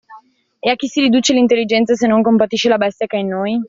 E a che si riduce l'intelligenza, se non compatisce la bestia che è in noi?